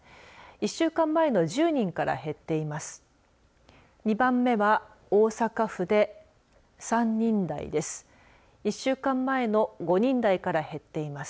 １週間前の１０人から減っています。